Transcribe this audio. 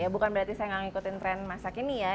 bukan berarti saya tidak mengikuti tren masa kini ya